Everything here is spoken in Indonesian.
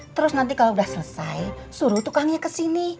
terus nanti kalau udah selesai suruh tukangnya ke sini